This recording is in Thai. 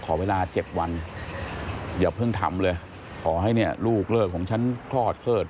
ขอเวลาเจ็บวันเดี๋ยวเพิ่งทำเลยขอให้เนี้ยลูกเลิกของฉันคลอดเคลิด